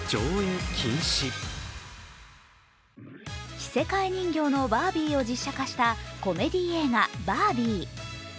着せ替え人形のバービーを実写化したコメディー映画「バービー」。